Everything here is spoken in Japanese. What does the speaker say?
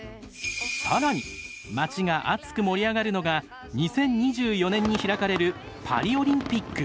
更に町が熱く盛り上がるのが２０２４年に開かれるパリオリンピック。